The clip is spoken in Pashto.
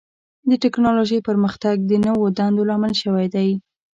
د ټکنالوجۍ پرمختګ د نوو دندو لامل شوی دی.